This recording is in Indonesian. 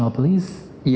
dari polisi indonesia